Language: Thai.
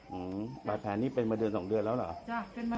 บาดแผลนี่เป็นมาเดือน๒เดือนแล้วเหรอ